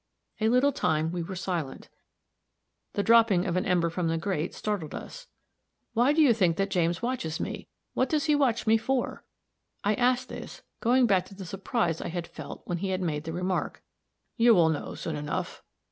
A little time we were silent; the dropping of an ember from the grate startled us. "Why do you think that James watches me? What does he watch me for?" I asked this, going back to the surprise I had felt when he made the remark. "You will know soon enough."